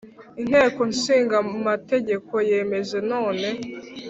Inteko ishinga amategeko yemeje none